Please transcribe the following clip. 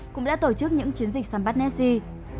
cũng đã tổ chức những chiến dịch săn bắt nessie